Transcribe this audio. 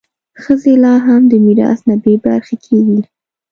ښځې لا هم د میراث نه بې برخې کېږي.